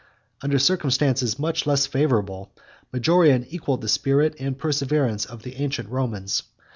48 Under circumstances much less favorable, Majorian equalled the spirit and perseverance of the ancient Romans.